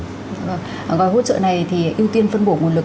ngoài hỗ trợ này thì ưu tiên phân bổ nguồn lực